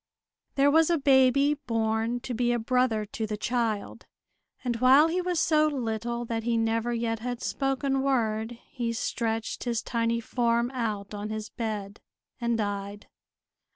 There was a baby born to be a brother to the child; and while he was so little that he never yet had spoken word he stretched his tiny form out on his bed, and died.